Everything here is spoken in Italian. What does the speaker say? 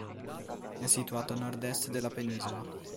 È situato a nord-est della penisola.